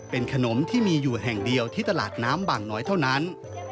เป็นขนมที่มีอยู่แห่งเดียวที่ตลาดน้ำบางน้อยเท่านั้น